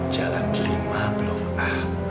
jalan lima blok a